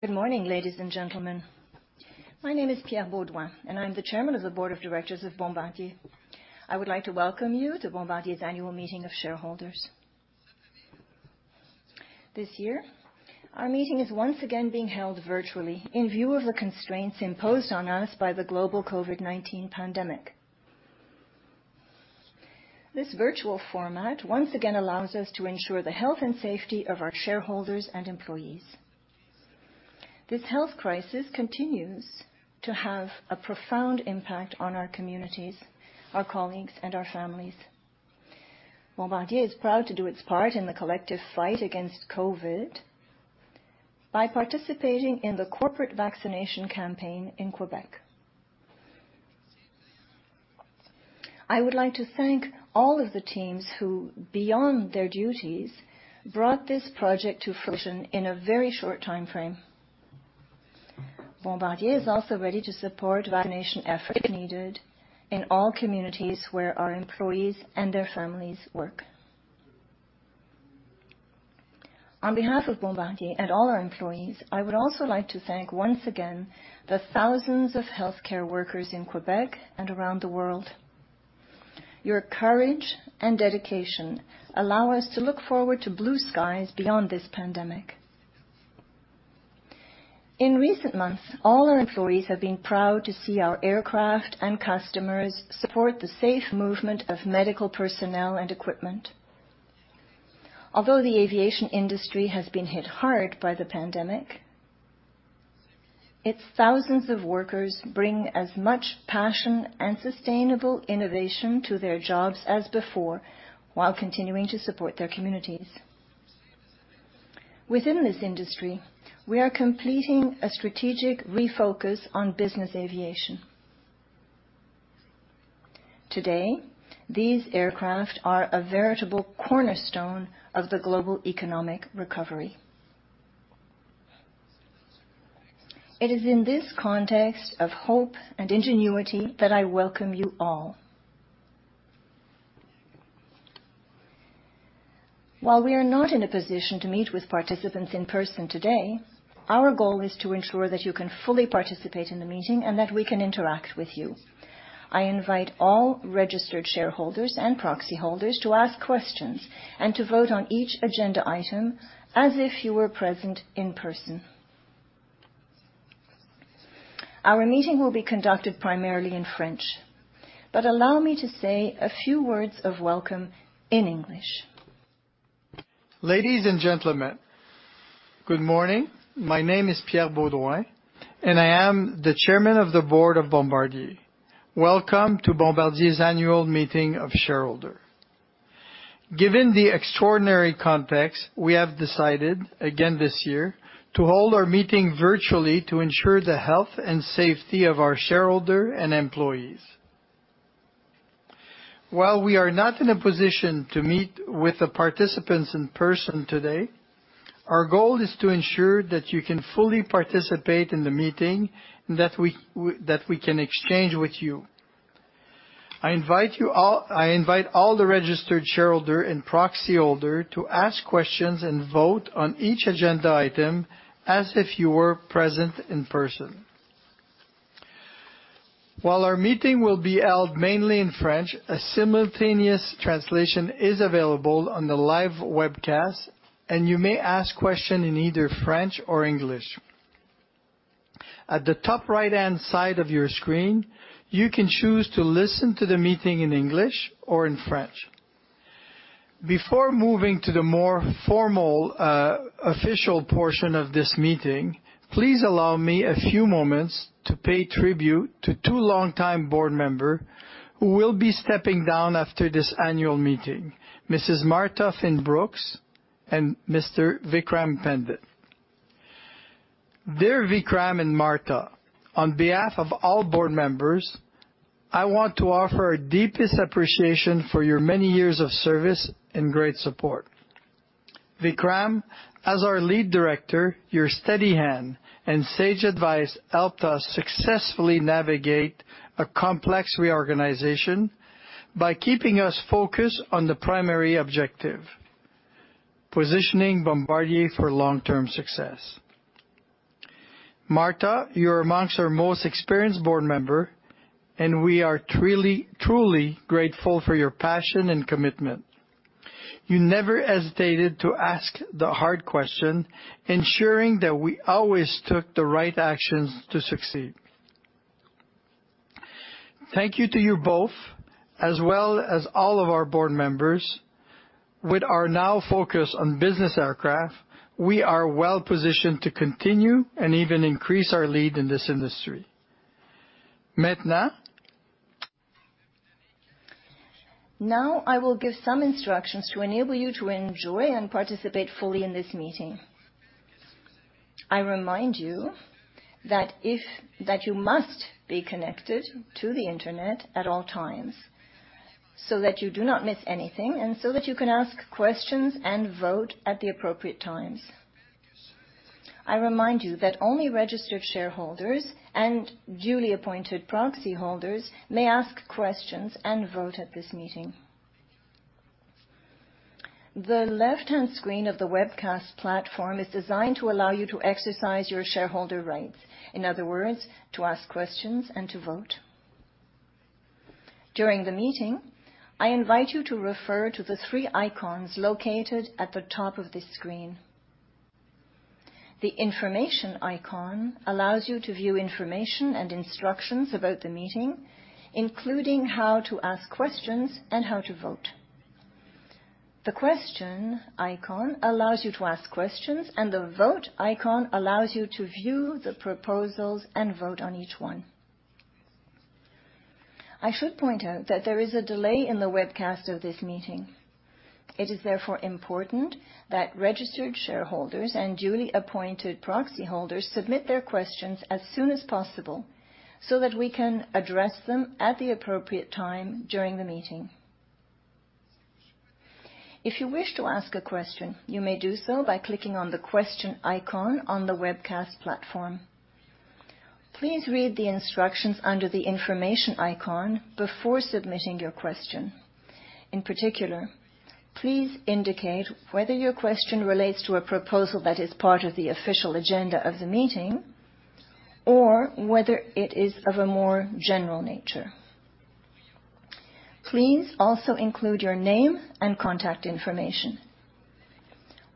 Good morning, ladies and gentlemen. My name is Pierre Beaudoin, and I'm the Chairman of the Board of Directors of Bombardier. I would like to welcome you to Bombardier's annual meeting of shareholders. This year, our meeting is once again being held virtually in view of the constraints imposed on us by the global COVID-19 pandemic. This virtual format, once again, allows us to ensure the health and safety of our shareholders and employees. This health crisis continues to have a profound impact on our communities, our colleagues, and our families. Bombardier is proud to do its part in the collective fight against COVID by participating in the corporate vaccination campaign in Quebec. I would like to thank all of the teams who, beyond their duties, brought this project to fruition in a very short timeframe. Bombardier is also ready to support vaccination efforts, if needed, in all communities where our employees and their families work. On behalf of Bombardier and all our employees, I would also like to thank, once again, the thousands of healthcare workers in Quebec and around the world. Your courage and dedication allow us to look forward to blue skies beyond this pandemic. In recent months, all our employees have been proud to see our aircraft and customers support the safe movement of medical personnel and equipment. Although the aviation industry has been hit hard by the pandemic, its thousands of workers bring as much passion and sustainable innovation to their jobs as before, while continuing to support their communities. Within this industry, we are completing a strategic refocus on business aviation. Today, these aircraft are a veritable cornerstone of the global economic recovery. It is in this context of hope and ingenuity that I welcome you all. While we are not in a position to meet with participants in person today, our goal is to ensure that you can fully participate in the meeting and that we can interact with you. I invite all registered shareholders and proxy holders to ask questions and to vote on each agenda item as if you were present in person. Our meeting will be conducted primarily in French, but allow me to say a few words of welcome in English. Ladies and gentlemen, good morning. My name is Pierre Beaudoin, and I am the Chairman of the Board of Bombardier. Welcome to Bombardier's annual meeting of shareholders. Given the extraordinary context, we have decided, again this year, to hold our meeting virtually to ensure the health and safety of our shareholders and employees. While we are not in a position to meet with the participants in person today, our goal is to ensure that you can fully participate in the meeting and that we can exchange with you. I invite all the registered shareholders and proxy holders to ask questions and vote on each agenda item as if you were present in person. While our meeting will be held mainly in French, a simultaneous translation is available on the live webcast, and you may ask questions in either French or English. At the top right-hand side of your screen, you can choose to listen to the meeting in English or in French. Before moving to the more formal official portion of this meeting, please allow me a few moments to pay tribute to two longtime board member who will be stepping down after this annual meeting, Mrs. Martha Finn Brooks and Mr. Vikram Pandit. Dear Vikram and Martha, on behalf of all board members, I want to offer our deepest appreciation for your many years of service and great support. Vikram, as our lead director, your steady hand and sage advice helped us successfully navigate a complex reorganization by keeping us focused on the primary objective, positioning Bombardier for long-term success. Martha, you're amongst our most experienced board member, and we are truly grateful for your passion and commitment. You never hesitated to ask the hard question, ensuring that we always took the right actions to succeed. Thank you to you both, as well as all of our Board members. With our now focus on business aircraft, we are well-positioned to continue and even increase our lead in this industry. Maintenant. Now I will give some instructions to enable you to enjoy and participate fully in this meeting. I remind you that you must be connected to the internet at all times, so that you do not miss anything and so that you can ask questions and vote at the appropriate times. I remind you that only registered shareholders and duly appointed proxy holders may ask questions and vote at this meeting. The left-hand screen of the webcast platform is designed to allow you to exercise your shareholder rights. In other words, to ask questions and to vote. During the meeting, I invite you to refer to the three icons located at the top of this screen. The information icon allows you to view information and instructions about the meeting, including how to ask questions and how to vote. The question icon allows you to ask questions, and the vote icon allows you to view the proposals and vote on each one. I should point out that there is a delay in the webcast of this meeting. It is therefore important that registered shareholders and duly appointed proxy holders submit their questions as soon as possible so that we can address them at the appropriate time during the meeting. If you wish to ask a question, you may do so by clicking on the question icon on the webcast platform. Please read the instructions under the information icon before submitting your question. In particular, please indicate whether your question relates to a proposal that is part of the official agenda of the meeting, or whether it is of a more general nature. Please also include your name and contact information.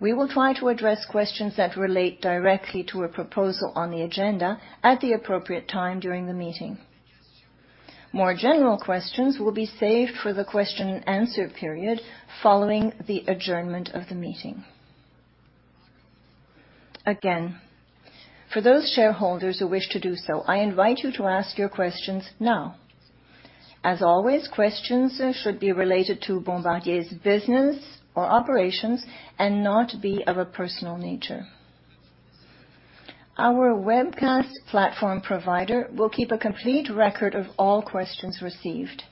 We will try to address questions that relate directly to a proposal on the agenda at the appropriate time during the meeting. More general questions will be saved for the question and answer period following the adjournment of the meeting. Again, for those shareholders who wish to do so, I invite you to ask your questions now. As always, questions should be related to Bombardier's business or operations and not be of a personal nature. Our webcast platform provider will keep a complete record of all questions received.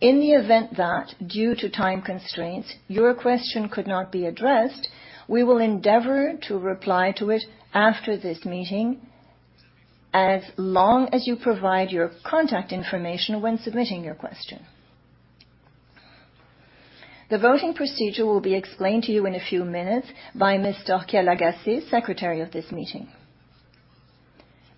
In the event that, due to time constraints, your question could not be addressed, we will endeavor to reply to it after this meeting, as long as you provide your contact information when submitting your question. The voting procedure will be explained to you in a few minutes by Ms. Torkia Lagacé, secretary of this meeting.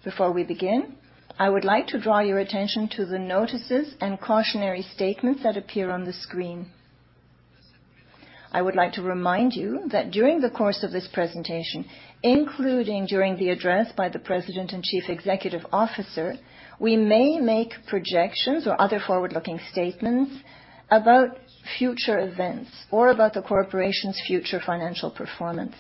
Before we begin, I would like to draw your attention to the notices and cautionary statements that appear on the screen. I would like to remind you that during the course of this presentation, including during the address by the President and Chief Executive Officer, we may make projections or other forward-looking statements about future events or about the corporation's future financial performance.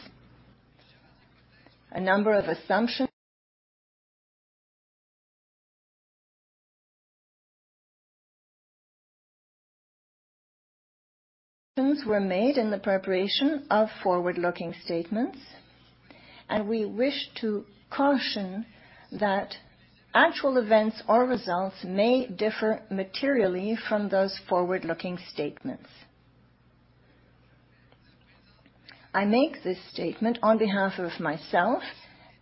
We wish to caution that actual events or results may differ materially from those forward-looking statements. I make this statement on behalf of myself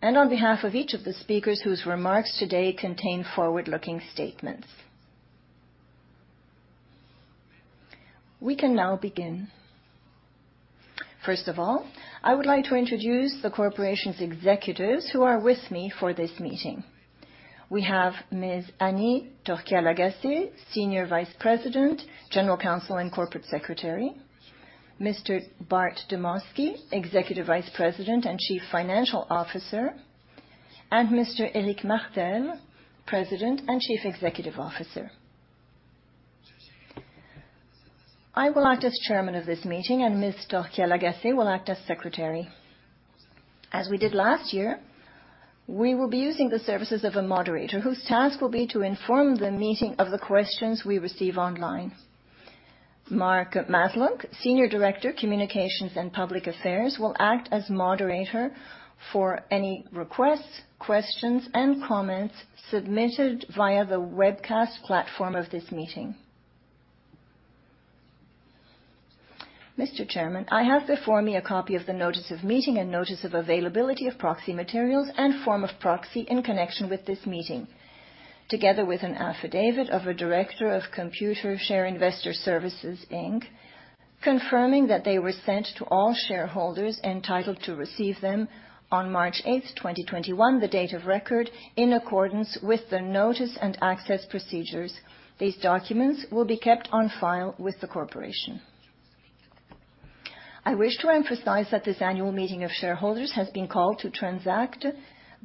and on behalf of each of the speakers whose remarks today contain forward-looking statements. We can now begin. First of all, I would like to introduce the corporation's executives who are with me for this meeting. We have Ms. Annie Torkia Lagacé, Senior Vice President, General Counsel, and Corporate Secretary, Mr. Bart Demosky, Executive Vice President and Chief Financial Officer, and Mr. Éric Martel, President and Chief Executive Officer. I will act as Chairman of this meeting, and Ms. Torkia Lagacé will act as Secretary. As we did last year, we will be using the services of a moderator whose task will be to inform the meeting of the questions we receive online. Mark Masluch, Senior Director, Communications and Public Affairs, will act as moderator for any requests, questions, and comments submitted via the webcast platform of this meeting. Mr. Chairman, I have before me a copy of the notice of meeting and notice of availability of proxy materials and form of proxy in connection with this meeting, together with an affidavit of a director of Computershare Investor Services Inc., confirming that they were sent to all shareholders entitled to receive them on March 8, 2021, the date of record, in accordance with the notice and access procedures. These documents will be kept on file with the corporation. I wish to emphasize that this annual meeting of shareholders has been called to transact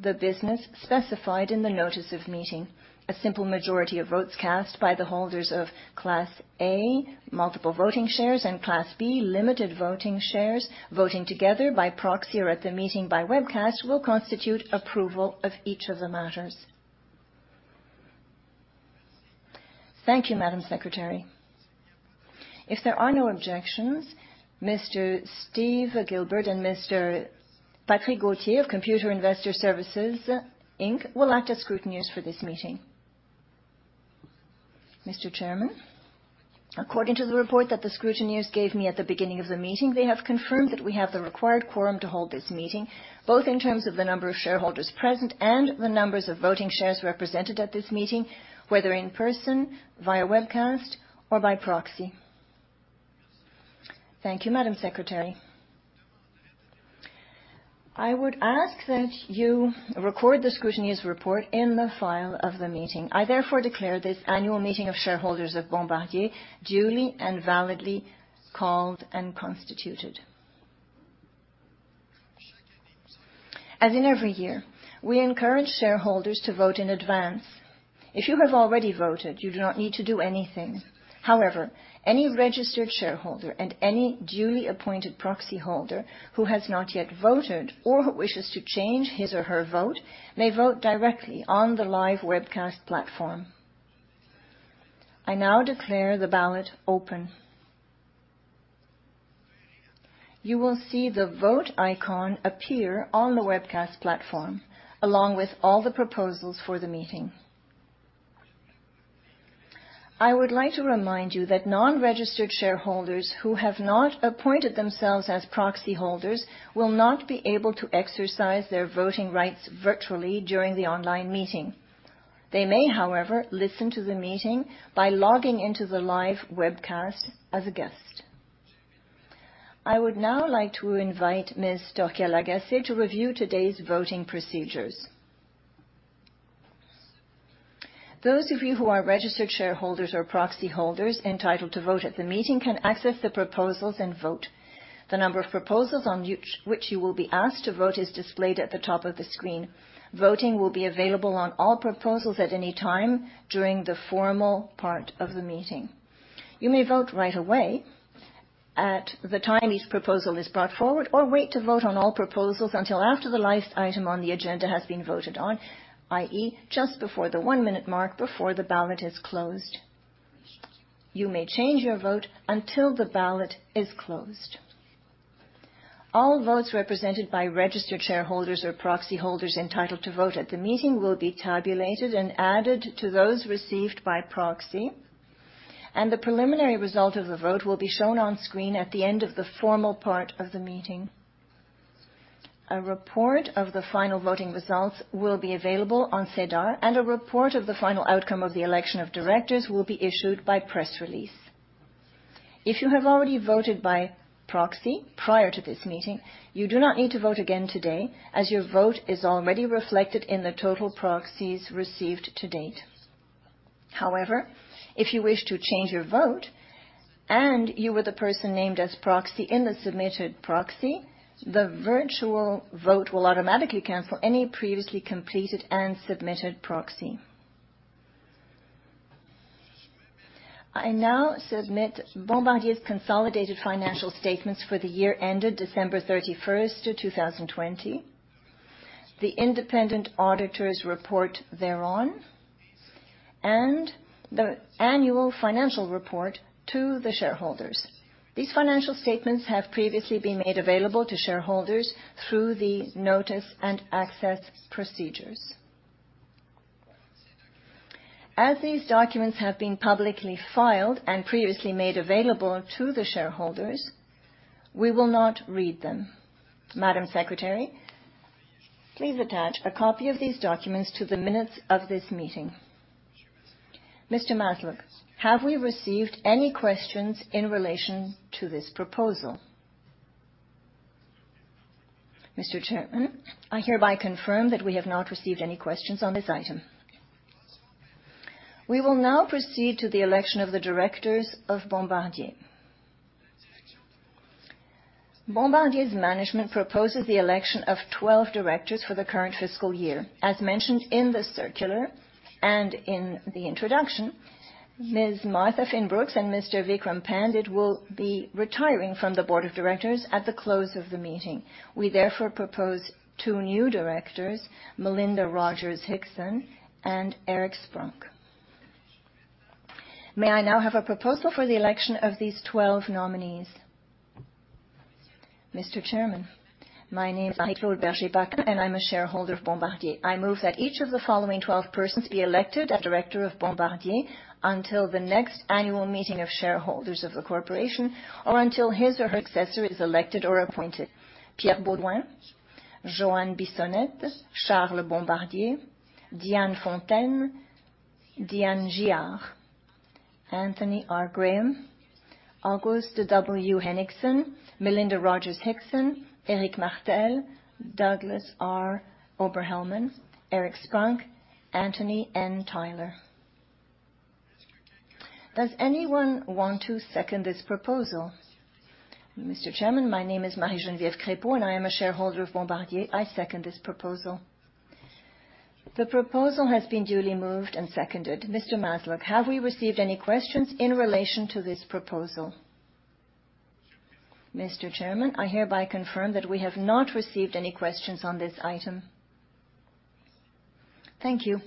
the business specified in the notice of meeting. A simple majority of votes cast by the holders of Class A, multiple voting shares, and Class B, limited voting shares, voting together by proxy or at the meeting by webcast, will constitute approval of each of the matters. Thank you, Madam Secretary. If there are no objections, Mr. Steve Gilbert and Mr. Patrick Gauthier of Computershare Investor Services Inc. will act as scrutineers for this meeting. Mr. Chairman, according to the report that the scrutineers gave me at the beginning of the meeting, they have confirmed that we have the required quorum to hold this meeting, both in terms of the number of shareholders present and the numbers of voting shares represented at this meeting, whether in person, via webcast, or by proxy. Thank you, Madam Secretary. I would ask that you record the scrutineer's report in the file of the meeting. I therefore declare this annual meeting of shareholders of Bombardier duly and validly called and constituted. As in every year, we encourage shareholders to vote in advance. If you have already voted, you do not need to do anything. However, any registered shareholder and any duly appointed proxyholder who has not yet voted or who wishes to change his or her vote, may vote directly on the live webcast platform. I now declare the ballot open. You will see the vote icon appear on the webcast platform, along with all the proposals for the meeting. I would like to remind you that non-registered shareholders who have not appointed themselves as proxyholders will not be able to exercise their voting rights virtually during the online meeting. They may, however, listen to the meeting by logging in to the live webcast as a guest. I would now like to invite Ms. Torkia Lagacé to review today's voting procedures. Those of you who are registered shareholders or proxyholders entitled to vote at the meeting can access the proposals and vote. The number of proposals on which you will be asked to vote is displayed at the top of the screen. Voting will be available on all proposals at any time during the formal part of the meeting. You may vote right away at the time each proposal is brought forward, or wait to vote on all proposals until after the last item on the agenda has been voted on, i.e., just before the one-minute mark before the ballot is closed. You may change your vote until the ballot is closed. All votes represented by registered shareholders or proxyholders entitled to vote at the meeting will be tabulated and added to those received by proxy, and the preliminary result of the vote will be shown on screen at the end of the formal part of the meeting. A report of the final voting results will be available on SEDAR, and a report of the final outcome of the election of directors will be issued by press release. If you have already voted by proxy prior to this meeting, you do not need to vote again today as your vote is already reflected in the total proxies received to date. However, if you wish to change your vote and you were the person named as proxy in the submitted proxy, the virtual vote will automatically cancel any previously completed and submitted proxy. I now submit Bombardier's consolidated financial statements for the year ended December 31st of 2020, the independent auditors' report thereon, and the annual financial report to the shareholders. These financial statements have previously been made available to shareholders through the notice and access procedures. As these documents have been publicly filed and previously made available to the shareholders, we will not read them. Madam Secretary, please attach a copy of these documents to the minutes of this meeting. Mr. Masluch, have we received any questions in relation to this proposal? Mr. Chairman, I hereby confirm that we have not received any questions on this item. We will now proceed to the election of the directors of Bombardier. Bombardier's management proposes the election of 12 directors for the current fiscal year. As mentioned in the circular and in the introduction, Ms. Martha Finn Brooks and Mr. Vikram Pandit will be retiring from the board of directors at the close of the meeting. We therefore propose two new directors, Melinda Rogers-Hixon and Éric Sprunk. May I now have a proposal for the election of these 12 nominees? Mr. Chairman, my name is Marie-Claude Berger Baca, and I'm a shareholder of Bombardier. I move that each of the following 12 persons be elected as director of Bombardier until the next annual meeting of shareholders of the corporation or until his or her successor is elected or appointed. Pierre Beaudoin, Joanne Bissonnette, Charles Bombardier, Diane Fontaine, Diane Giard, Anthony R. Graham, August W. Henningsen, Melinda Rogers-Hixon, Éric Martel, Douglas R. Oberhelman, Éric Sprunk, Antony N. Tyler. Does anyone want to second this proposal? Mr. Chairman, my name is Marie-Geneviève Crépeau, and I am a shareholder of Bombardier. I second this proposal. The proposal has been duly moved and seconded. Mr. Masluch, have we received any questions in relation to this proposal? Mr. Chairman, I hereby confirm that we have not received any questions on this item. Thank you.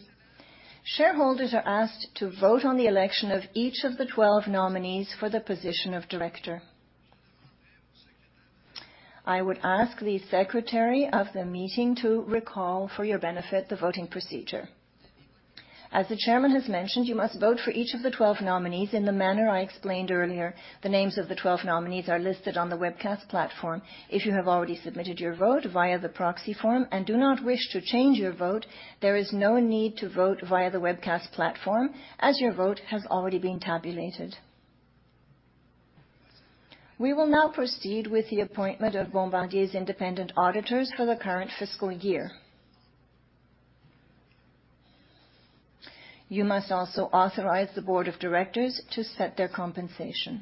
Shareholders are asked to vote on the election of each of the 12 nominees for the position of director. I would ask the secretary of the meeting to recall for your benefit the voting procedure. As the chairman has mentioned, you must vote for each of the 12 nominees in the manner I explained earlier. The names of the 12 nominees are listed on the webcast platform. If you have already submitted your vote via the proxy form and do not wish to change your vote, there is no need to vote via the webcast platform, as your vote has already been tabulated. We will now proceed with the appointment of Bombardier's independent auditors for the current fiscal year. You must also authorize the board of directors to set their compensation.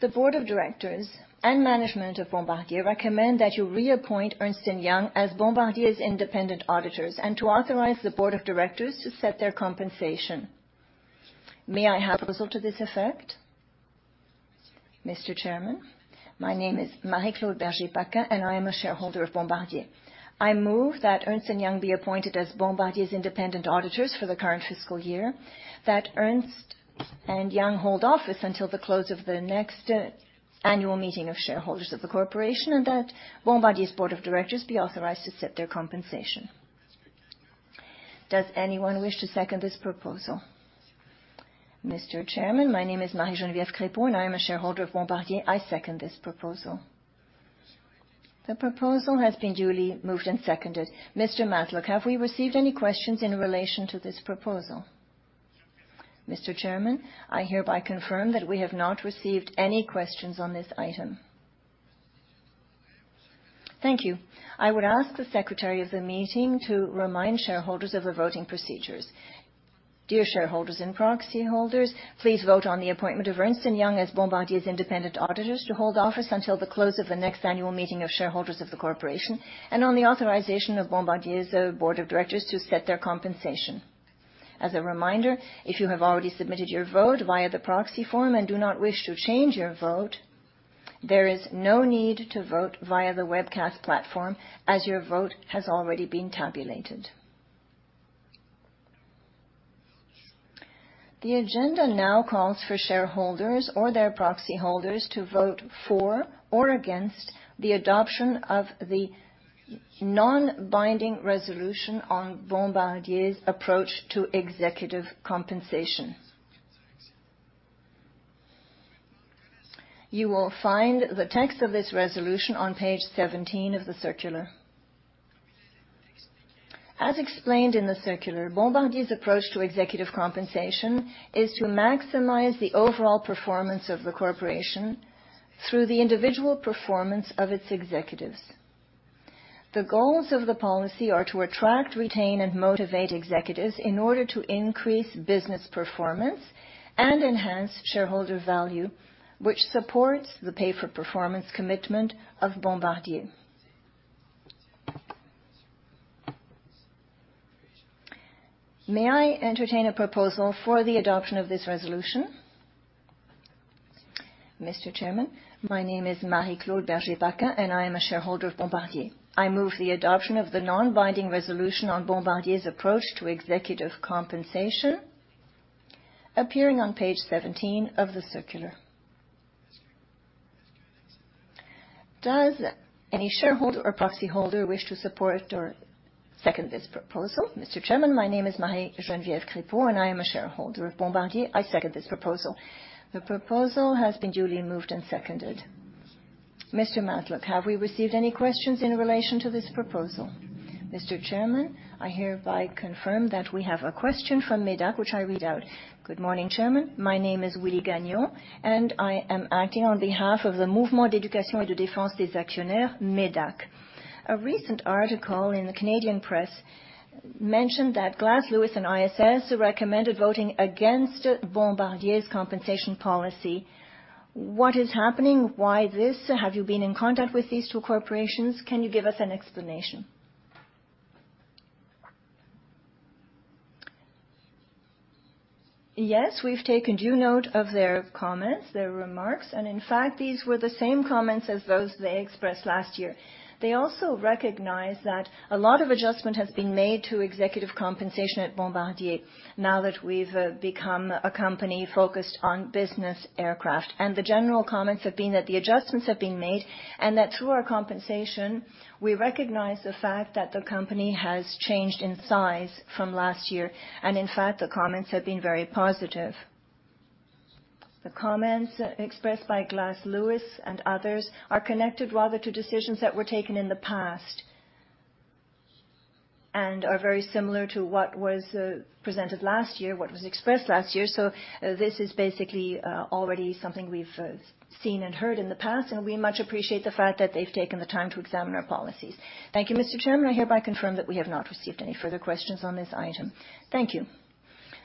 The board of directors and management of Bombardier recommend that you reappoint Ernst & Young as Bombardier's independent auditors, and to authorize the board of directors to set their compensation. May I have a proposal to this effect? Mr. Chairman, my name is Marie-Claude Berger Baca, and I am a shareholder of Bombardier. I move that Ernst & Young be appointed as Bombardier's independent auditors for the current fiscal year, that Ernst & Young hold office until the close of the next annual meeting of shareholders of the corporation, and that Bombardier's board of directors be authorized to set their compensation. Does anyone wish to second this proposal? Mr. Chairman, my name is Marie-Geneviève Crépeau, and I am a shareholder of Bombardier. I second this proposal. The proposal has been duly moved and seconded. Mr. Masluch, have we received any questions in relation to this proposal? Mr. Chairman, I hereby confirm that we have not received any questions on this item. Thank you. I would ask the secretary of the meeting to remind shareholders of the voting procedures. Dear shareholders and proxy holders, please vote on the appointment of Ernst & Young as Bombardier's independent auditors to hold office until the close of the next annual meeting of shareholders of the corporation, and on the authorization of Bombardier's Board of Directors to set their compensation. As a reminder, if you have already submitted your vote via the proxy form and do not wish to change your vote, there is no need to vote via the webcast platform as your vote has already been tabulated. The agenda now calls for shareholders or their proxy holders to vote for or against the adoption of the non-binding resolution on Bombardier's approach to executive compensation. You will find the text of this resolution on page 17 of the circular. As explained in the circular, Bombardier's approach to executive compensation is to maximize the overall performance of the corporation through the individual performance of its executives. The goals of the policy are to attract, retain, and motivate executives in order to increase business performance and enhance shareholder value, which supports the pay-for-performance commitment of Bombardier. May I entertain a proposal for the adoption of this resolution? Mr. Chairman, my name is Marie-Claude Berger Baca, and I am a shareholder of Bombardier. I move the adoption of the non-binding resolution on Bombardier's approach to executive compensation appearing on page 17 of the circular. Does any shareholder or proxy holder wish to support or second this proposal? Mr. Chairman, my name is Marie-Geneviève Crépeau, and I am a shareholder of Bombardier. I second this proposal. The proposal has been duly moved and seconded. Mr. Masluch, have we received any questions in relation to this proposal? Mr. Chairman, I hereby confirm that we have a question from MÉDAC, which I read out. Good morning, Chairman. My name is Willie Gagnon, and I am acting on behalf of the Mouvement d'éducation et de défense des actionnaires, MÉDAC. A recent article in the Canadian Press mentioned that Glass Lewis and ISS recommended voting against Bombardier's compensation policy. What is happening? Why this? Have you been in contact with these two corporations? Can you give us an explanation? Yes, we've taken due note of their comments, their remarks, and in fact, these were the same comments as those they expressed last year. They also recognize that a lot of adjustment has been made to executive compensation at Bombardier now that we've become a company focused on business aircraft. The general comments have been that the adjustments have been made and that through our compensation, we recognize the fact that the company has changed in size from last year. In fact, the comments have been very positive. The comments expressed by Glass Lewis and others are connected rather to decisions that were taken in the past and are very similar to what was presented last year, what was expressed last year. This is basically already something we've seen and heard in the past, and we much appreciate the fact that they've taken the time to examine our policies. Thank you, Mr. Chairman. I hereby confirm that we have not received any further questions on this item. Thank you.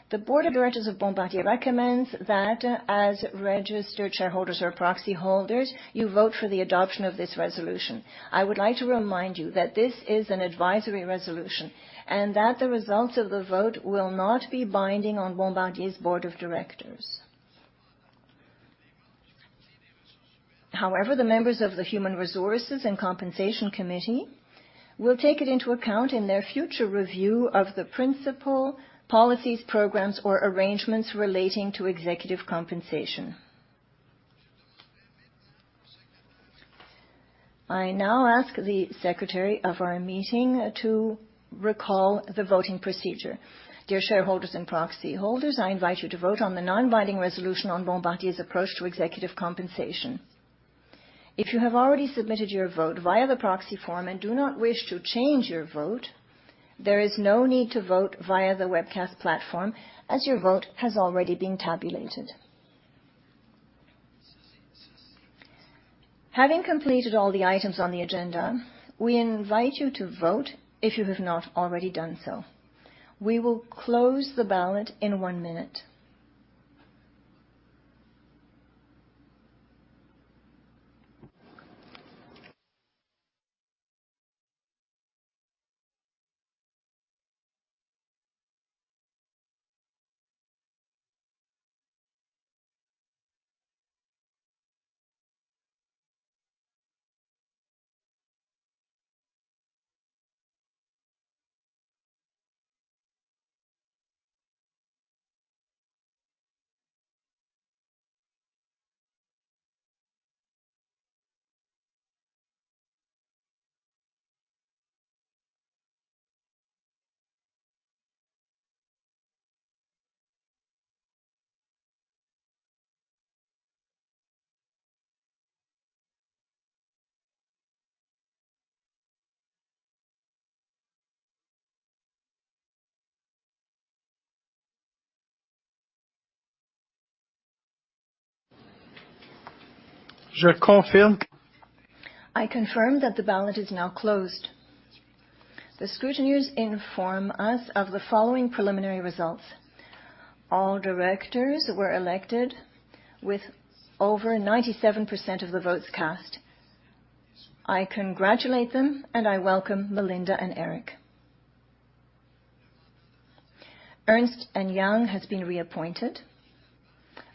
The board of directors of Bombardier recommends that as registered shareholders or proxy holders, you vote for the adoption of this resolution. I would like to remind you that this is an advisory resolution and that the results of the vote will not be binding on Bombardier's board of directors. The members of the Human Resources and Compensation Committee will take it into account in their future review of the principal policies, programs, or arrangements relating to executive compensation. I now ask the secretary of our meeting to recall the voting procedure. Dear shareholders and proxy holders, I invite you to vote on the non-binding resolution on Bombardier's approach to executive compensation. If you have already submitted your vote via the proxy form and do not wish to change your vote, there is no need to vote via the webcast platform as your vote has already been tabulated. Having completed all the items on the agenda, we invite you to vote if you have not already done so. We will close the ballot in one minute. I confirm that the ballot is now closed. The scrutineers inform us of the following preliminary results. All directors were elected with over 97% of the votes cast. I congratulate them, and I welcome Melinda and Éric. Ernst & Young has been reappointed.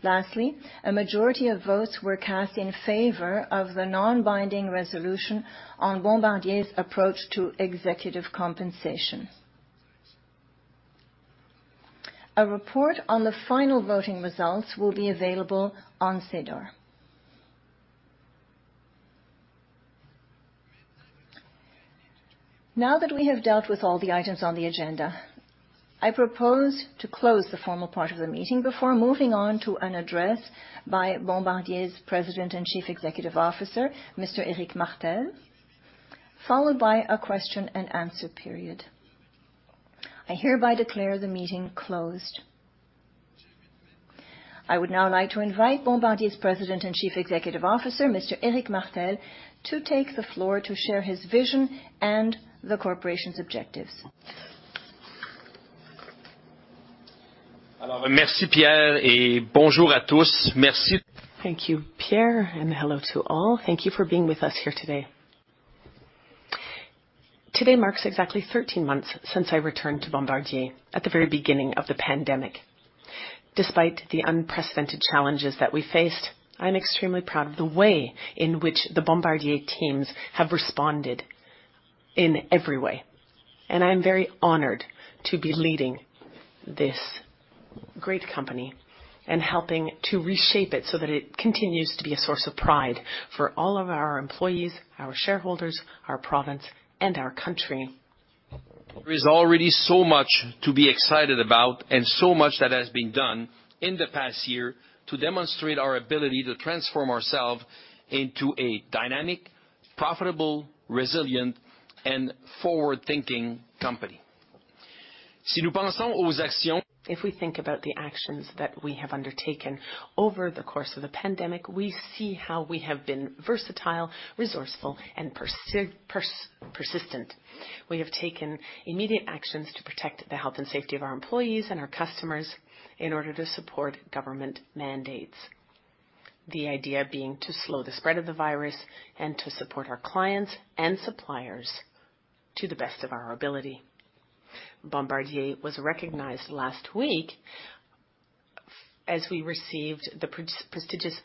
Lastly, a majority of votes were cast in favor of the non-binding resolution on Bombardier's approach to executive compensation. A report on the final voting results will be available on SEDAR. Now that we have dealt with all the items on the agenda, I propose to close the formal part of the meeting before moving on to an address by Bombardier's President and Chief Executive Officer, Mr. Éric Martel, followed by a question-and-answer period. I hereby declare the meeting closed. I would now like to invite Bombardier's President and Chief Executive Officer, Mr. Éric Martel, to take the floor to share his vision and the corporation's objectives. Thank you, Pierre, and hello to all. Thank you for being with us here today. Today marks exactly 13 months since I returned to Bombardier at the very beginning of the pandemic. Despite the unprecedented challenges that we faced, I'm extremely proud of the way in which the Bombardier teams have responded in every way, and I'm very honored to be leading this great company and helping to reshape it so that it continues to be a source of pride for all of our employees, our shareholders, our province, and our country. There is already so much to be excited about and so much that has been done in the past year to demonstrate our ability to transform ourselves into a dynamic, profitable, resilient, and forward-thinking company. If we think about the actions that we have undertaken over the course of the pandemic, we see how we have been versatile, resourceful, and persistent. We have taken immediate actions to protect the health and safety of our employees and our customers in order to support government mandates. The idea being to slow the spread of the virus and to support our clients and suppliers to the best of our ability. Bombardier was recognized last week as we received the prestigious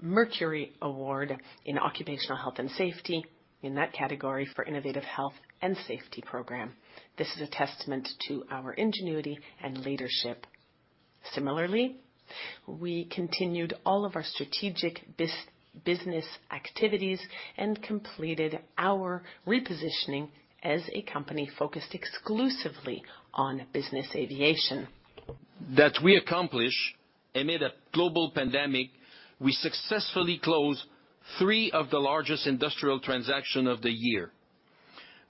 Mercury Award in occupational health and safety, in that category for innovative health and safety program. This is a testament to our ingenuity and leadership. Similarly, we continued all of our strategic business activities and completed our repositioning as a company focused exclusively on business aviation. That we accomplish amid a global pandemic, we successfully closed three of the largest industrial transaction of the year.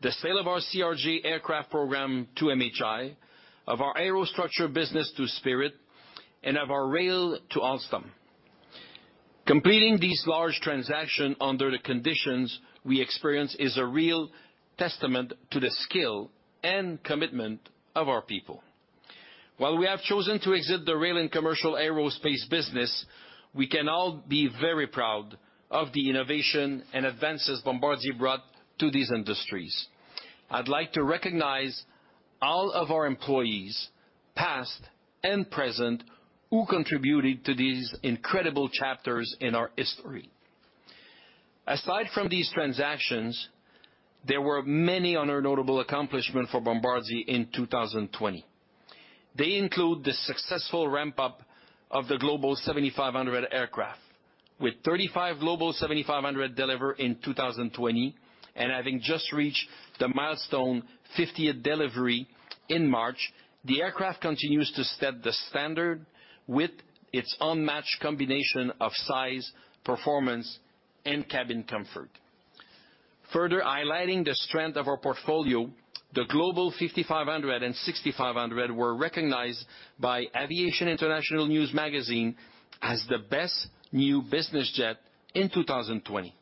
The sale of our CRJ aircraft program to MHI, of our aerostructure business to Spirit, and of our rail to Alstom. Completing these large transaction under the conditions we experience is a real testament to the skill and commitment of our people. While we have chosen to exit the rail and commercial aerospace business, we can all be very proud of the innovation and advances Bombardier brought to these industries. I'd like to recognize all of our employees, past and present, who contributed to these incredible chapters in our history. Aside from these transactions, there were many other notable accomplishment for Bombardier in 2020. They include the successful ramp-up of the Global 7500 aircraft. With 35 Global 7500 delivered in 2020 and having just reached the milestone 50th delivery in March, the aircraft continues to set the standard with its unmatched combination of size, performance, and cabin comfort. Further highlighting the strength of our portfolio, the Global 5500 and 6500 were recognized by Aviation International News magazine as the best new business jet in 2020.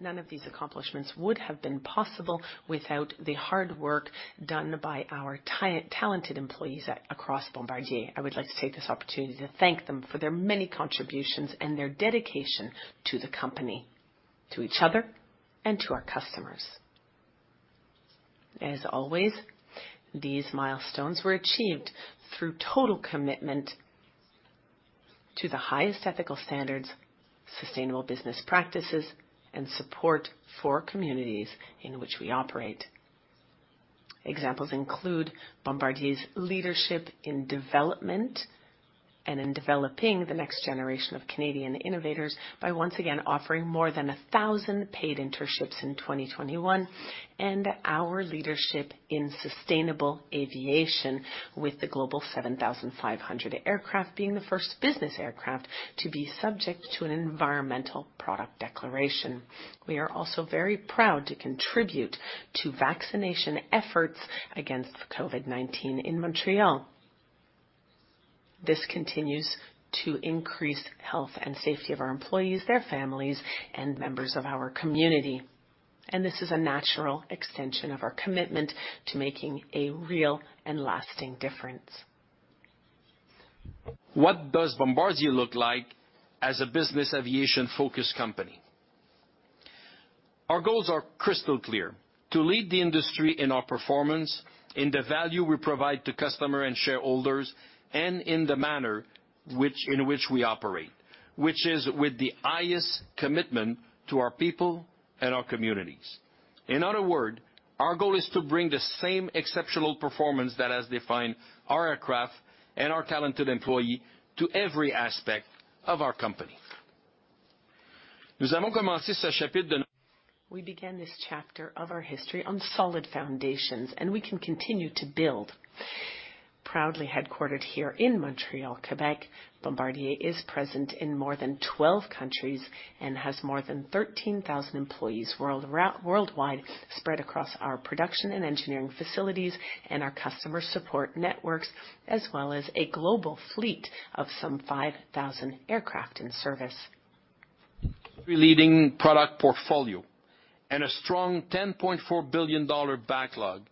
None of these accomplishments would have been possible without the hard work done by our talented employees across Bombardier. I would like to take this opportunity to thank them for their many contributions and their dedication to the company, to each other, and to our customers. As always, these milestones were achieved through total commitment to the highest ethical standards, sustainable business practices, and support for communities in which we operate. Examples include Bombardier's leadership in development and in developing the next generation of Canadian innovators by once again offering more than 1,000 paid internships in 2021, and our leadership in sustainable aviation with the Global 7500 aircraft being the first business aircraft to be subject to an Environmental Product Declaration. We are also very proud to contribute to vaccination efforts against COVID-19 in Montreal. This continues to increase health and safety of our employees, their families, and members of our community. This is a natural extension of our commitment to making a real and lasting difference. What does Bombardier look like as a business aviation-focused company? Our goals are crystal clear, to lead the industry in our performance, in the value we provide to customer and shareholders, and in the manner in which we operate, which is with the highest commitment to our people and our communities. In other word, our goal is to bring the same exceptional performance that has defined our aircraft and our talented employee to every aspect of our company. We began this chapter of our history on solid foundations, and we can continue to build. Proudly headquartered here in Montreal, Quebec, Bombardier is present in more than 12 countries and has more than 13,000 employees worldwide, spread across our production and engineering facilities and our customer support networks, as well as a global fleet of some 5,000 aircraft in service. Compelling product portfolio and a strong $10.4 billion backlog.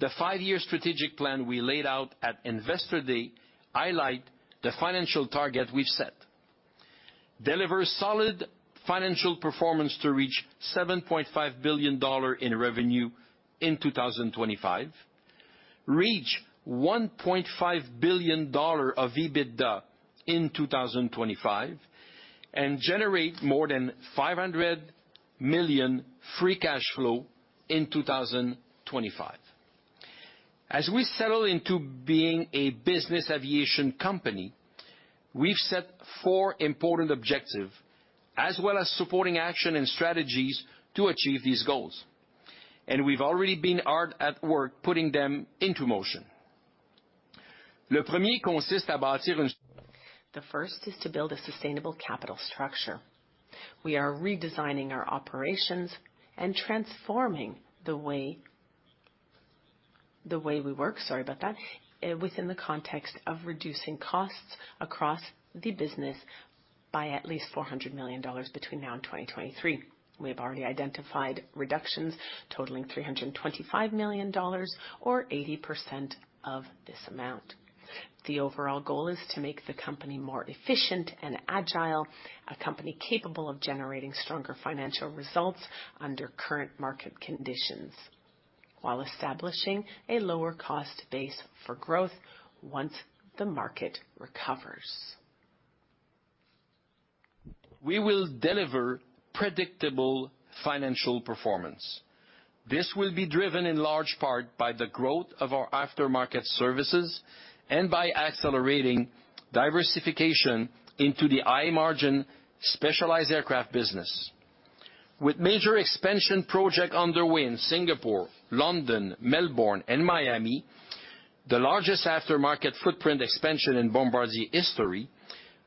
The five-year strategic plan we laid out at Investor Day highlight the financial target we've set. Deliver solid financial performance to reach $7.5 billion in revenue in 2025, reach $1.5 billion of EBITDA in 2025, and generate more than $500 million free cash flow in 2025. As we settle into being a business aviation company, we've set four important objective as well as supporting action and strategies to achieve these goals, and we've already been hard at work putting them into motion. The first is to build a sustainable capital structure. We are redesigning our operations and transforming the way we work, sorry about that, within the context of reducing costs across the business by at least $400 million between now and 2023. We have already identified reductions totaling $325 million or 80% of this amount. The overall goal is to make the company more efficient and agile, a company capable of generating stronger financial results under current market conditions while establishing a lower cost base for growth once the market recovers. We will deliver predictable financial performance. This will be driven in large part by the growth of our aftermarket services and by accelerating diversification into the high-margin specialized aircraft business. With major expansion project underway in Singapore, London, Melbourne, and Miami, the largest aftermarket footprint expansion in Bombardier history,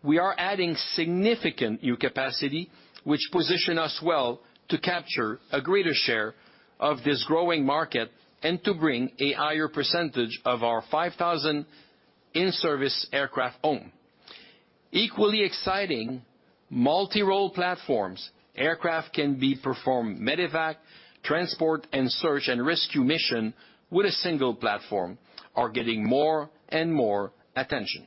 we are adding significant new capacity, which position us well to capture a greater share of this growing market and to bring a higher percentage of our 5,000 in-service aircraft owned. Equally exciting, multi-role platforms, aircraft can be performed medevac, transport, and search and rescue mission with a single platform are getting more and more attention.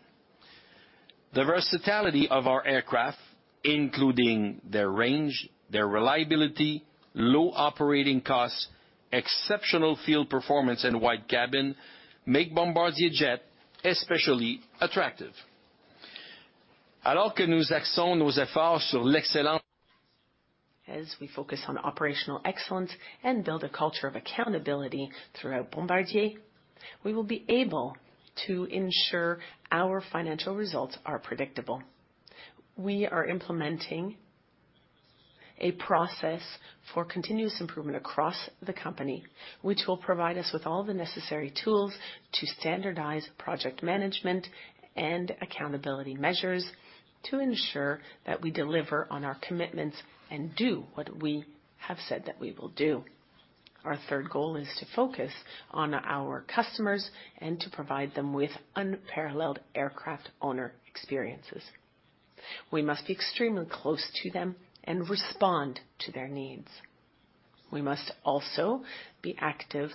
The versatility of our aircraft, including their range, their reliability, low operating costs, exceptional field performance, and wide cabin, make Bombardier jet especially attractive. As we focus on operational excellence and build a culture of accountability throughout Bombardier, we will be able to ensure our financial results are predictable. We are implementing a process for continuous improvement across the company, which will provide us with all the necessary tools to standardize project management and accountability measures to ensure that we deliver on our commitments and do what we have said that we will do. Our third goal is to focus on our customers and to provide them with unparalleled aircraft owner experiences. We must be extremely close to them and respond to their needs. We must also be active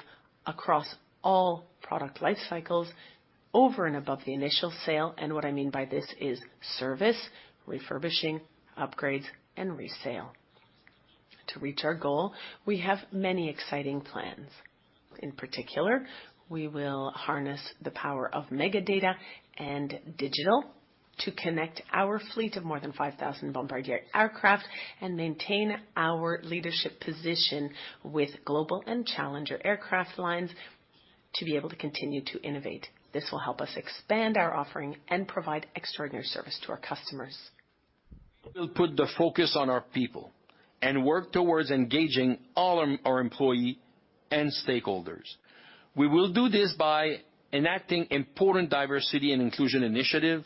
across all product life cycles over and above the initial sale. What I mean by this is service, refurbishing, upgrades, and resale. To reach our goal, we have many exciting plans. In particular, we will harness the power of big data and digital to connect our fleet of more than 5,000 Bombardier aircraft and maintain our leadership position with Global and Challenger aircraft lines to be able to continue to innovate. This will help us expand our offering and provide extraordinary service to our customers. We'll put the focus on our people and work towards engaging all our employee and stakeholders. We will do this by enacting important diversity and inclusion initiative,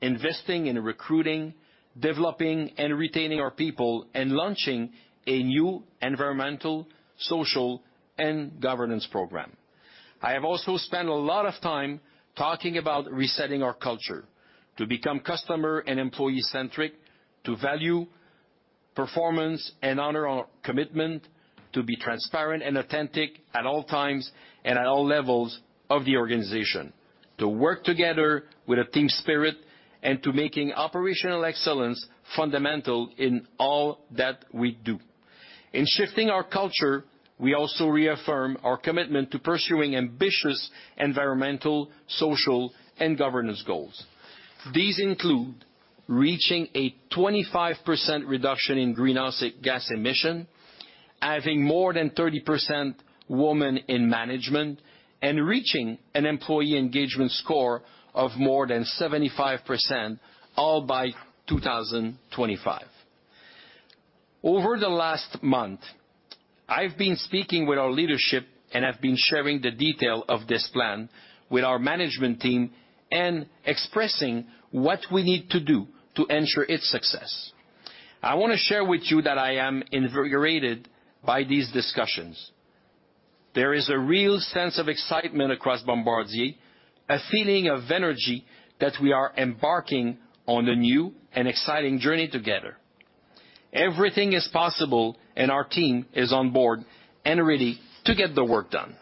investing in recruiting, developing, and retaining our people, and launching a new Environmental, Social, and Governance Program. I have also spent a lot of time talking about resetting our culture to become customer and employee-centric, to value performance and honor our commitment, to be transparent and authentic at all times and at all levels of the organization, to work together with a team spirit, and to making operational excellence fundamental in all that we do. In shifting our culture, we also reaffirm our commitment to pursuing ambitious environmental, social, and governance goals. These include reaching a 25% reduction in greenhouse gas emission, having more than 30% women in management, and reaching an employee engagement score of more than 75%, all by 2025. Over the last month, I've been speaking with our leadership and have been sharing the detail of this plan with our management team and expressing what we need to do to ensure its success. I want to share with you that I am invigorated by these discussions. There is a real sense of excitement across Bombardier, a feeling of energy that we are embarking on a new and exciting journey together. Everything is possible, and our team is on board and ready to get the work done.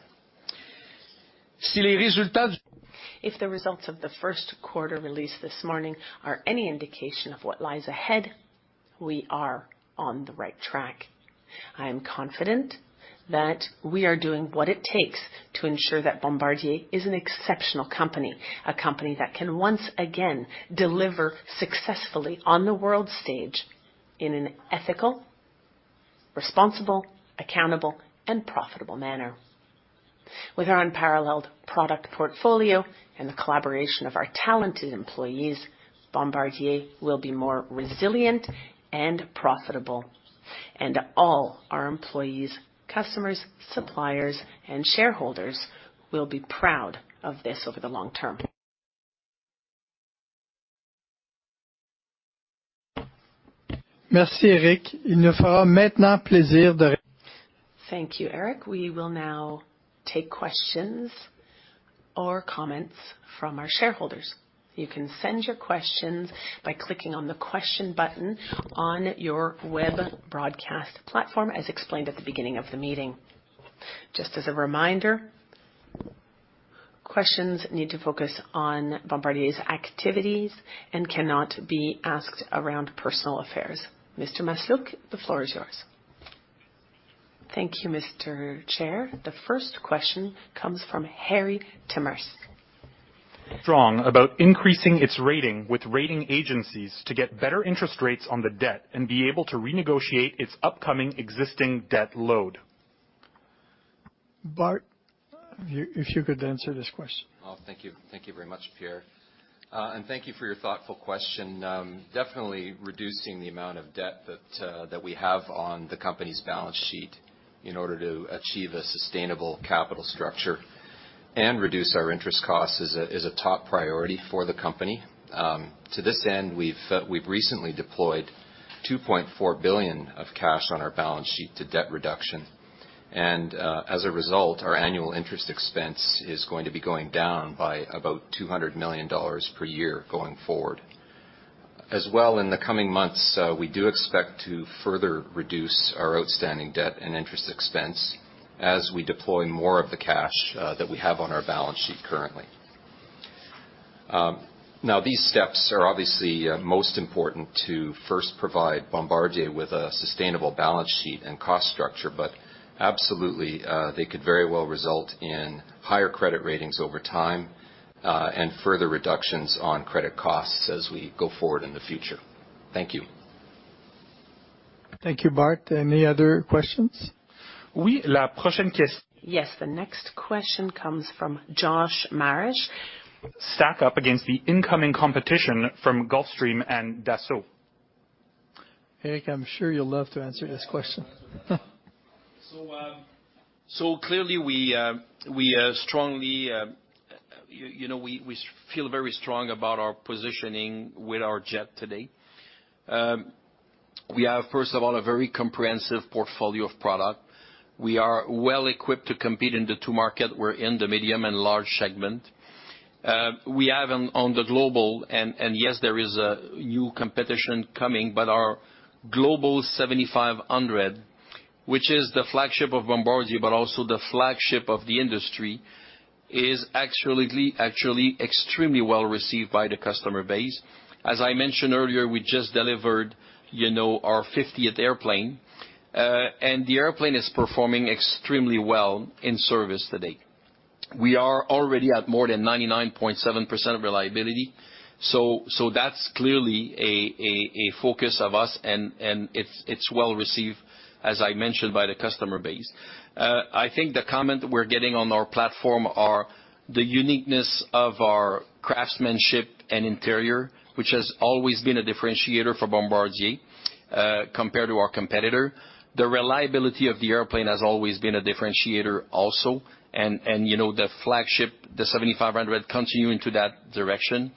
If the results of the first quarter release this morning are any indication of what lies ahead, we are on the right track. I am confident that we are doing what it takes to ensure that Bombardier is an exceptional company, a company that can once again deliver successfully on the world stage in an ethical, responsible, accountable, and profitable manner. With our unparalleled product portfolio and the collaboration of our talented employees, Bombardier will be more resilient and profitable, and all our employees, customers, suppliers, and shareholders will be proud of this over the long term. Thank you, Éric. We will now take questions or comments from our shareholders. You can send your questions by clicking on the question button on your web broadcast platform, as explained at the beginning of the meeting. Just as a reminder, questions need to focus on Bombardier's activities and cannot be asked around personal affairs. Mr. Masluch, the floor is yours. Thank you, Mr. Chair. The first question comes from Harry Timmers. Strong about increasing its rating with rating agencies to get better interest rates on the debt and be able to renegotiate its upcoming existing debt load. Bart, if you could answer this question. Thank you very much, Pierre. Thank you for your thoughtful question. Definitely reducing the amount of debt that we have on the company's balance sheet in order to achieve a sustainable capital structure and reduce our interest costs is a top priority for the company. To this end, we've recently deployed $2.4 billion of cash on our balance sheet to debt reduction, and as a result, our annual interest expense is going to be going down by about $200 million per year going forward. As well, in the coming months, we do expect to further reduce our outstanding debt and interest expense as we deploy more of the cash that we have on our balance sheet currently. These steps are obviously most important to first provide Bombardier with a sustainable balance sheet and cost structure, but absolutely, they could very well result in higher credit ratings over time and further reductions on credit costs as we go forward in the future. Thank you. Thank you, Bart. Any other questions? Yes. The next question comes from Josh Marish. Stack up against the incoming competition from Gulfstream and Dassault. Éric, I'm sure you'll love to answer this question. Yeah, I'll answer that. Clearly we feel very strong about our positioning with our jet today. We have, first of all, a very comprehensive portfolio of product. We are well-equipped to compete in the two market. We're in the medium and large segment. We have on the Global, and yes, there is a new competition coming, but our Global 7500, which is the flagship of Bombardier, but also the flagship of the industry, is actually extremely well-received by the customer base. As I mentioned earlier, we just delivered our 50th airplane. The airplane is performing extremely well in service today. We are already at more than 99.7% of reliability. That's clearly a focus of us and it's well-received, as I mentioned, by the customer base. I think the comments we're getting on our platform are the uniqueness of our craftsmanship and interior, which has always been a differentiator for Bombardier, compared to our competitor. The reliability of the airplane has always been a differentiator also. The flagship, the 7500, continuing to that direction.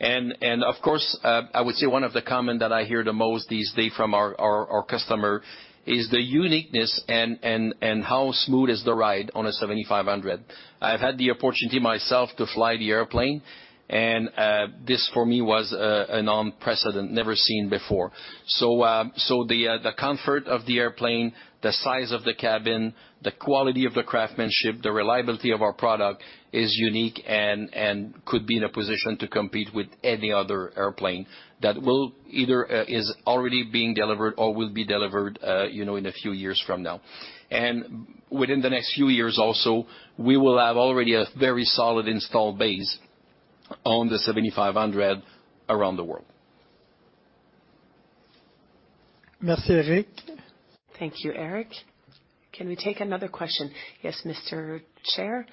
Of course, I would say one of the comments that I hear the most these days from our customer is the uniqueness and how smooth is the ride on a 7500. I've had the opportunity myself to fly the airplane. This for me was an unprecedented, never seen before. The comfort of the airplane, the size of the cabin, the quality of the craftsmanship, the reliability of our product is unique and could be in a position to compete with any other airplane that either is already being delivered or will be delivered in a few years from now. Within the next few years also, we will have already a very solid install base on the 7500 around the world. Merci, Éric. Thank you, Éric. Can we take another question? Yes, Mr. Chair.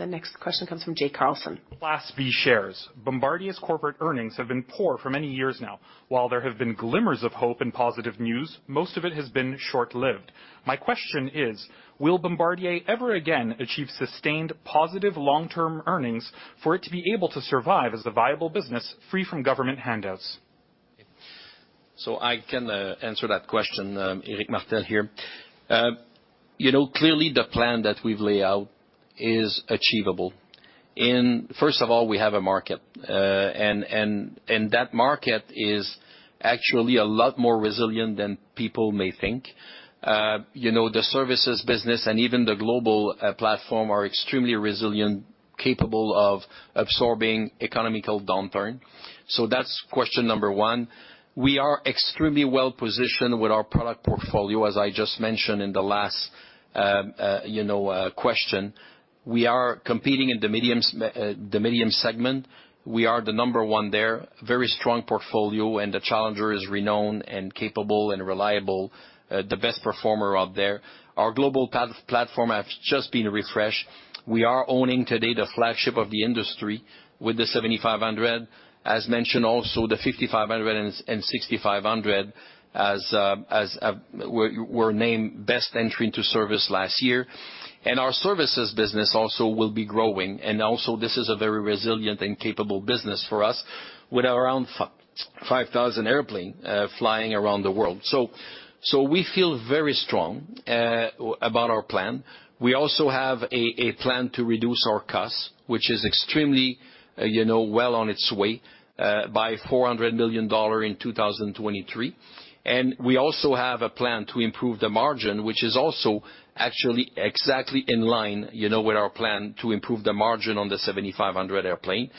The next question comes from Jay Carlson. Class B shares. Bombardier's corporate earnings have been poor for many years now. While there have been glimmers of hope and positive news, most of it has been short-lived. My question is, will Bombardier ever again achieve sustained positive long-term earnings for it to be able to survive as a viable business free from government handouts? I can answer that question. Éric Martel here. Clearly the plan that we've laid out is achievable. First of all, we have a market. That market is actually a lot more resilient than people may think. The services business and even the Global platform are extremely resilient, capable of absorbing economical downturn. That's question number one. We are extremely well-positioned with our product portfolio, as I just mentioned in the last question. We are competing in the medium segment. We are the number one there. Very strong portfolio, the Challenger is renowned and capable and reliable. The best performer out there. Our Global platform has just been refreshed. We are owning today the flagship of the industry with the 7500. As mentioned also, the 5500 and 6500 were named best entry into service last year. Our services business also will be growing. Also this is a very resilient and capable business for us with around 5,000 airplane flying around the world. We feel very strong about our plan. We also have a plan to reduce our costs, which is extremely well on its way, by $400 million in 2023. We also have a plan to improve the margin, which is also actually exactly in line with our plan to improve the margin on the 7500 airplane.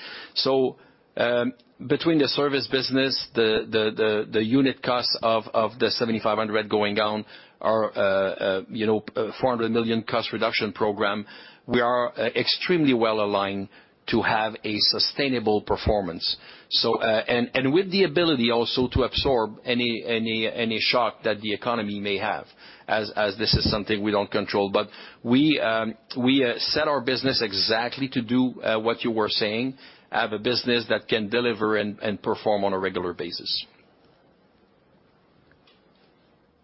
Between the service business, the unit cost of the 7500 going down, our $400 million cost reduction program, we are extremely well aligned to have a sustainable performance. With the ability also to absorb any shock that the economy may have, as this is something we don't control. We set our business exactly to do what you were saying, have a business that can deliver and perform on a regular basis.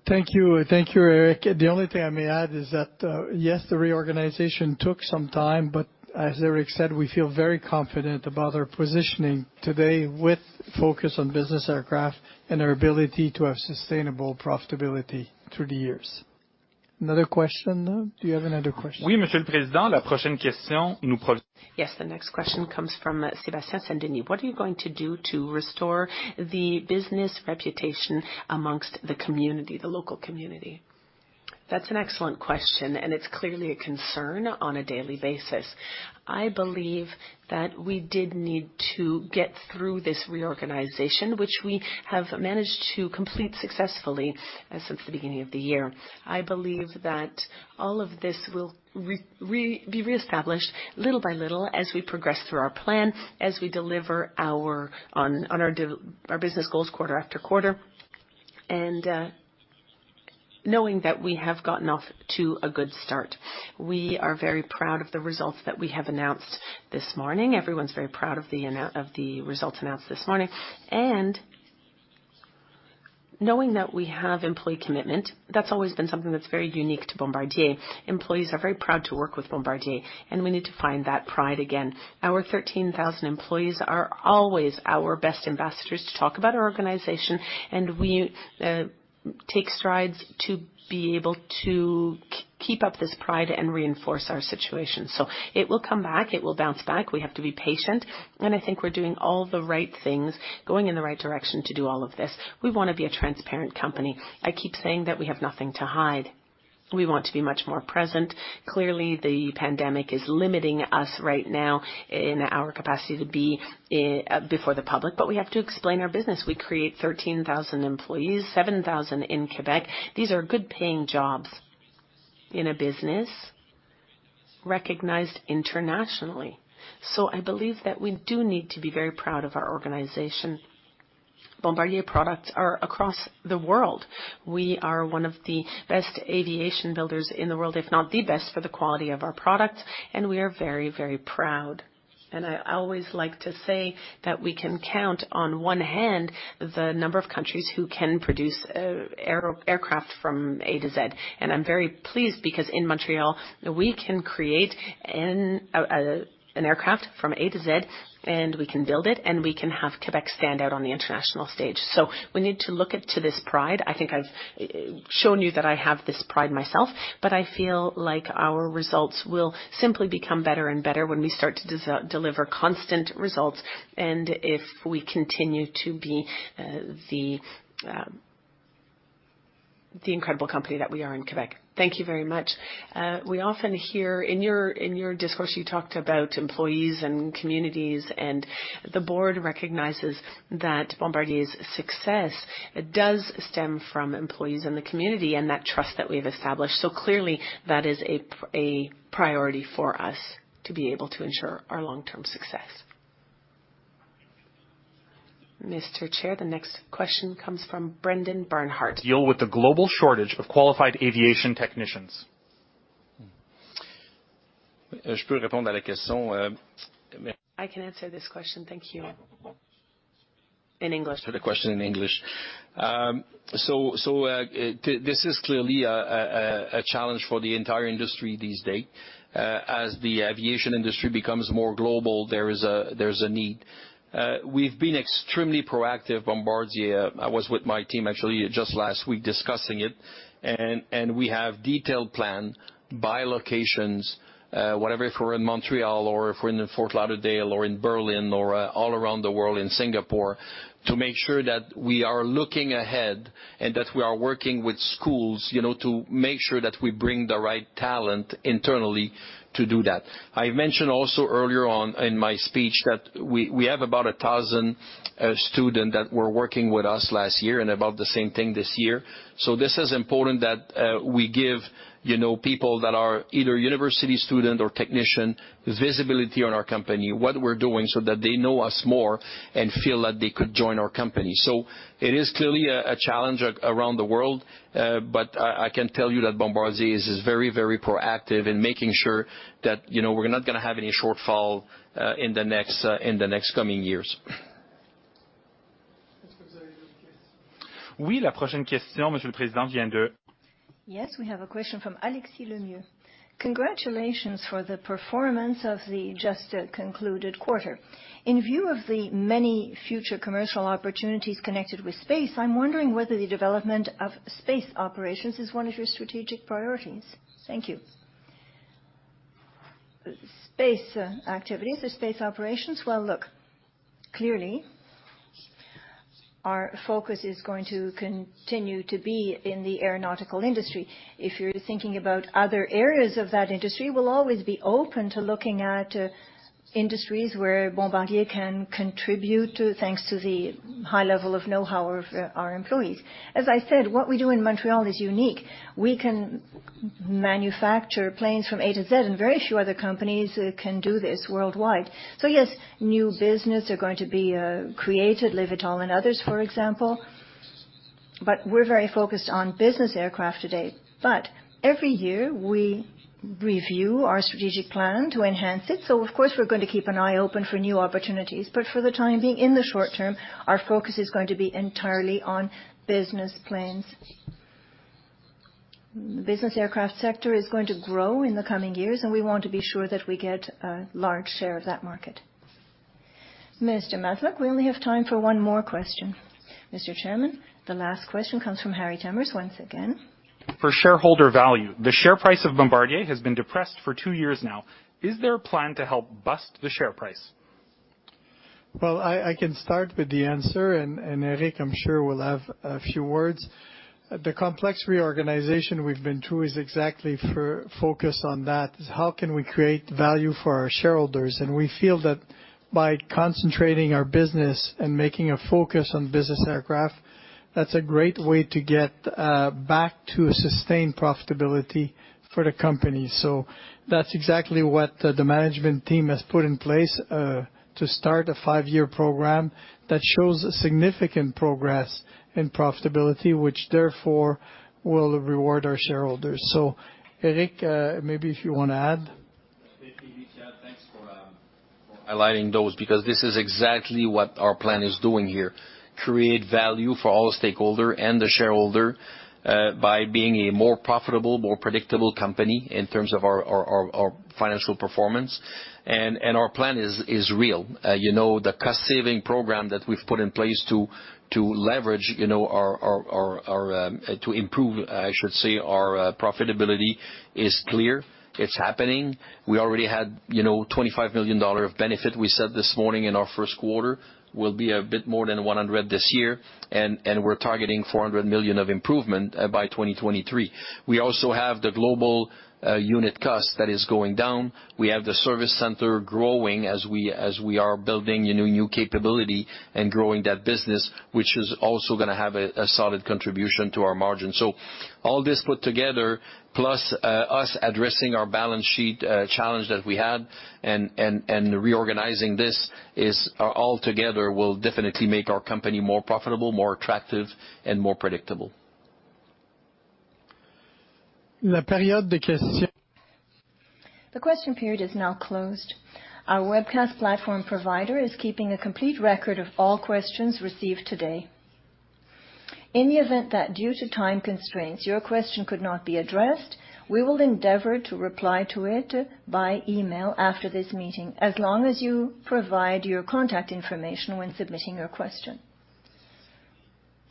Thank you. Thank you, Éric. The only thing I may add is that, yes, the reorganization took some time, but as Éric said, we feel very confident about our positioning today with focus on business aircraft and our ability to have sustainable profitability through the years. Another question now. Do you have another question? Yes. The next question comes from Sebastian Sandini. What are you going to do to restore the business reputation amongst the community, the local community? That's an excellent question, and it's clearly a concern on a daily basis. I believe that we did need to get through this reorganization, which we have managed to complete successfully since the beginning of the year. I believe that all of this will be reestablished little by little as we progress through our plan, as we deliver on our business goals quarter after quarter. Knowing that we have gotten off to a good start. We are very proud of the results that we have announced this morning. Everyone's very proud of the results announced this morning. Knowing that we have employee commitment, that's always been something that's very unique to Bombardier. Employees are very proud to work with Bombardier. We need to find that pride again. Our 13,000 employees are always our best ambassadors to talk about our organization. We take strides to be able to keep up this pride and reinforce our situation. It will come back, it will bounce back. We have to be patient. I think we're doing all the right things, going in the right direction to do all of this. We want to be a transparent company. I keep saying that we have nothing to hide. We want to be much more present. Clearly, the pandemic is limiting us right now in our capacity to be before the public. We have to explain our business. We create 13,000 employees, 7,000 in Quebec. These are good-paying jobs in a business recognized internationally. I believe that we do need to be very proud of our organization. Bombardier products are across the world. We are one of the best aviation builders in the world, if not the best, for the quality of our products, and we are very proud. I always like to say that we can count on one hand the number of countries who can produce aircraft from A to Z. I'm very pleased because in Montreal we can create an aircraft from A to Z, and we can build it, and we can have Quebec stand out on the international stage. We need to look to this pride. I think I've shown you that I have this pride myself, but I feel like our results will simply become better and better when we start to deliver constant results and if we continue to be the incredible company that we are in Quebec. Thank you very much. We often hear, in your discourse, you talked about employees and communities. The board recognizes that Bombardier's success does stem from employees in the community and that trust that we've established. Clearly, that is a priority for us to be able to ensure our long-term success. Mr. Chair, the next question comes from Brendan Bernhard. Deal with the global shortage of qualified aviation technicians. I can answer this question. Thank you. In English. For the question in English. This is clearly a challenge for the entire industry these days. As the aviation industry becomes more global, there's a need. We've been extremely proactive, Bombardier. I was with my team actually just last week discussing it, and we have detailed plan by locations, whatever, if we're in Montreal or if we're in Fort Lauderdale or in Berlin or all around the world in Singapore to make sure that we are looking ahead and that we are working with schools to make sure that we bring the right talent internally to do that. I mentioned also earlier on in my speech that we have about 1,000 students that were working with us last year and about the same thing this year. This is important that we give people that are either university student or technician visibility on our company, what we're doing so that they know us more and feel that they could join our company. It is clearly a challenge around the world, but I can tell you that Bombardier is very proactive in making sure that we're not going to have any shortfall in the next coming years. Yes, we have a question from Alexis Lemieux. Congratulations for the performance of the just concluded quarter. In view of the many future commercial opportunities connected with space, I'm wondering whether the development of space operations is one of your strategic priorities. Thank you. Space activities or space operations. Well, look, clearly, our focus is going to continue to be in the aeronautical industry. If you're thinking about other areas of that industry, we'll always be open to looking at industries where Bombardier can contribute to, thanks to the high level of know-how of our employees. As I said, what we do in Montreal is unique. We can manufacture planes from A to Z, and very few other companies can do this worldwide. Yes, new business are going to be created, eVTOL and others, for example. We're very focused on business aircraft today. Every year we review our strategic plan to enhance it, of course we're going to keep an eye open for new opportunities. For the time being, in the short term, our focus is going to be entirely on business planes. Business aircraft sector is going to grow in the coming years, and we want to be sure that we get a large share of that market. Mr. Masluch, we only have time for one more question. Mr. Chairman, the last question comes from Harry Timmers once again. For shareholder value, the share price of Bombardier has been depressed for two years now. Is there a plan to help bust the share price? Well, I can start with the answer, and Éric, I'm sure, will have a few words. The complex reorganization we've been through is exactly focused on that. How can we create value for our shareholders? We feel that by concentrating our business and making a focus on business aircraft, that's a great way to get back to a sustained profitability for the company. That's exactly what the management team has put in place to start a five-year program that shows significant progress in profitability, which therefore will reward our shareholders. Éric, maybe if you want to add. Yeah, thanks for highlighting those because this is exactly what our plan is doing here. Create value for all stakeholder and the shareholder by being a more profitable, more predictable company in terms of our financial performance and our plan is real. The cost saving program that we've put in place to improve our profitability is clear. It's happening. We already had $25 million of benefit we set this morning in our first quarter, will be a bit more than $100 this year, and we're targeting $400 million of improvement by 2023. We also have the global unit cost that is going down. We have the service center growing as we are building new capability and growing that business, which is also going to have a solid contribution to our margin. All this put together, plus us addressing our balance sheet challenge that we had and reorganizing this all together will definitely make our company more profitable, more attractive, and more predictable. The question period is now closed. Our webcast platform provider is keeping a complete record of all questions received today. In the event that due to time constraints, your question could not be addressed, we will endeavor to reply to it by email after this meeting, as long as you provide your contact information when submitting your question.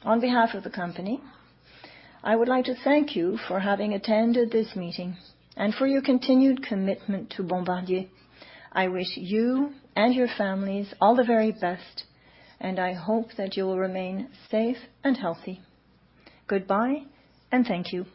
On behalf of the company, I would like to thank you for having attended this meeting and for your continued commitment to Bombardier. I wish you and your families all the very best, and I hope that you will remain safe and healthy. Goodbye, and thank you.